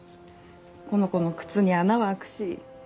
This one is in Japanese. この子の靴に穴は開くし。